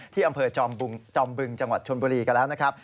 ที่อำเภอจอมบึงจังหวัดชนบุรีกันแล้วนะครับ